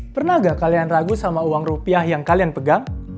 pernah gak kalian ragu sama uang rupiah yang kalian pegang